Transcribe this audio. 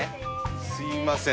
すいません。